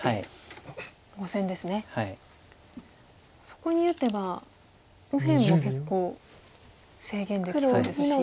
そこに打てば右辺も結構制限できそうですし。